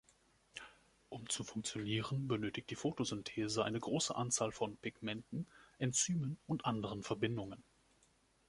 Um zu funktionieren, benötigt die Photosynthese eine große Anzahl von Pigmenten, Enzymen und anderen Verbindungen.